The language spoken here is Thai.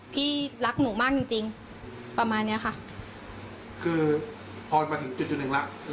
พี่รักหนูมากจริงจริงประมาณเนี้ยค่ะคือพอมาถึงจุดจุดหนึ่งแล้ว